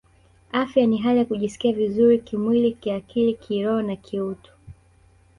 Afya ni hali ya kujisikia vizuri kimwili kiakili kiroho na kiutu